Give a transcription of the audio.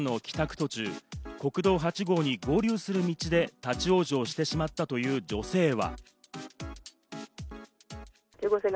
途中、国道８号に合流する道で立ち往生してしまったという女性は。